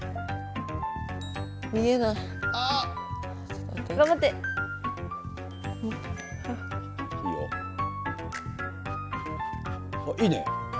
あいいね。